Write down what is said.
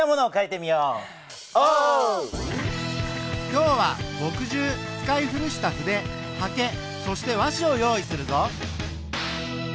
今日は墨汁使い古した筆はけそして和紙を用意するぞ。